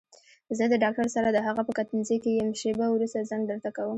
زه د ډاکټر سره دهغه په کتنځي کې يم شېبه وروسته زنګ درته کوم.